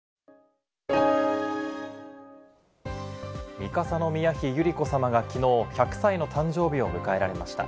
三笠宮妃百合子さまが、きのう１００歳の誕生日を迎えられました。